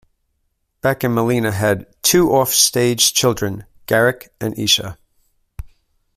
Beck and Malina had "two offstage children", Garrick and Isha.